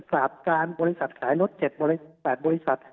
ปราบการบริษัทขายรถ๗๘บริษัท